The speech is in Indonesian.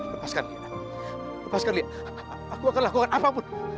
lepaskan lia lepaskan lia aku akan lakukan apapun